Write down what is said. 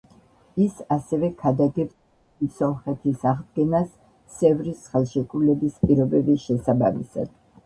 ის ასევე ქადაგებს დიდი სომხეთის აღდგენას სევრის ხელშეკრულების პირობების შესაბამისად.